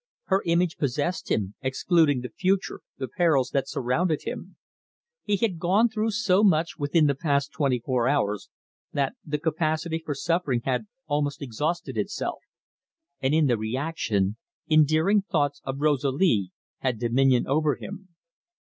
Her image possessed him, excluding the future, the perils that surrounded them. He had gone through so much within the past twenty four hours that the capacity for suffering had almost exhausted itself, and in the reaction endearing thoughts of Rosalie had dominion over him.